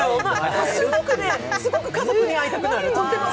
すごく家族に会いたくなる、とても。